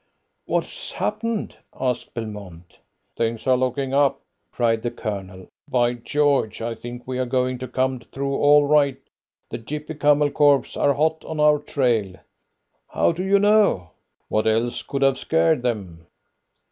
"What's happened?" asked Belmont. "Things are looking up," cried the Colonel. "By George, I think we are going to come through all right. The Gippy Camel Corps are hot on our trail." "How do you know?" "What else could have scared them?"